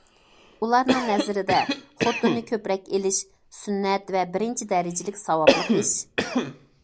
ئۇلارنىڭ نەزىرىدە خوتۇننى كۆپرەك ئېلىش سۈننەت ۋە بىرىنچى دەرىجىلىك ساۋابلىق ئىش.